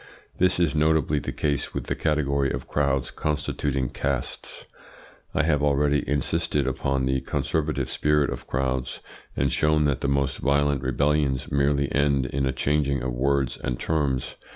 This is notably the case with the category of crowds constituting castes. I have already insisted upon the conservative spirit of crowds, and shown that the most violent rebellions merely end in a changing of words and terms.